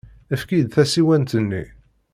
Efk-iyi-d tasiwant-nni.